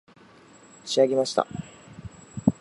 仕上げました